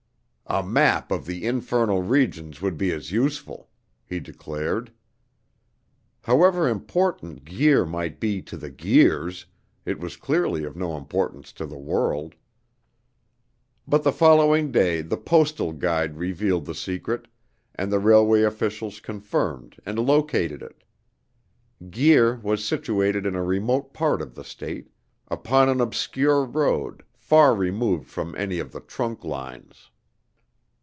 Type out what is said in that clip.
"A map of the infernal regions would be as useful," he declared. However important Guir might be to the Guirs, it was clearly of no importance to the world. But the following day the Postal Guide revealed the secret, and the railway officials confirmed and located it. Guir was situated in a remote part of the State, upon an obscure road, far removed from any of the trunk lines.